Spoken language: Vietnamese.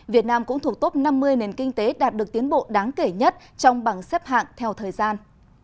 việt nam cũng thuộc tốt năm mươi nền kinh tế đạt được tiến bộ đáng kể nhất trong bảng xếp hạng theo thời gian